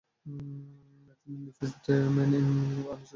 তিনি Independence Day, Men in Black, Ali চলচ্চিত্রের জন্য বিখ্যাত।